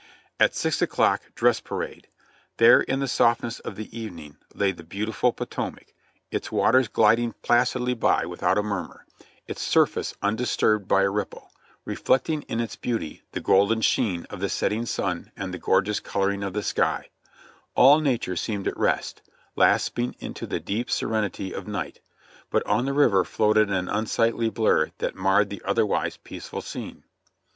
At six o'clock, dress parade. There in the softness of the even ing lay the beautiful Potomac, its water gliding placidly by with THE FIRST RETREAT 37 out a murmur, its surface undisturbed by a ripple, reflecting in its beauty the golden sheen of the setting sun and the gorgeous col oring of the sky ; all nature seemed at rest, lapsing into the deep serenity of night, but on the river floated an unsightly blur that marred the otherwise peaceful scene.